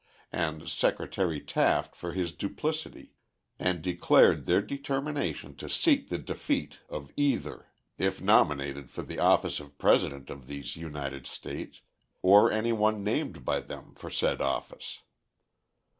and Secretary Taft for his duplicity, and declared their determination to seek the defeat of either if nominated for the office of President of these United States, or anyone named by them for said office.